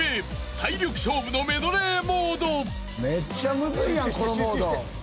体力勝負のメドレーモード。